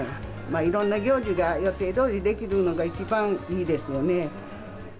いろんな行事が予定どおりできるのが一番いいですよね。